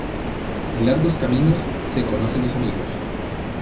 En largos caminos, se conocen los amigos.